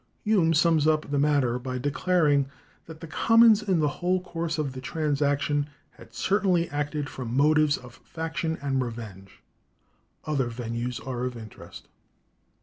Hume sums up the matter by declaring that "the Commons in the whole course of the transaction had certainly acted from motives of faction and revenge." Other ventures are of interest.